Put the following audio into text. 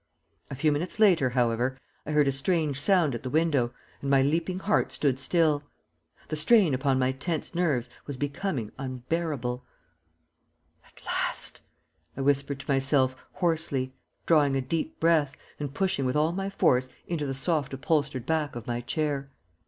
A few minutes later, however, I heard a strange sound at the window, and my leaping heart stood still. The strain upon my tense nerves was becoming unbearable. [Illustration: "I DRAINED A GLASS OF COOKING SHERRY TO THE DREGS"] "At last!" I whispered to myself, hoarsely, drawing a deep breath, and pushing with all my force into the soft upholstered back of my chair.